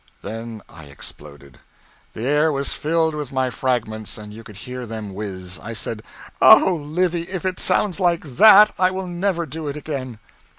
Then I exploded; the air was filled with my fragments, and you could hear them whiz. I said, "Oh Livy, if it sounds like that I will never do it again!"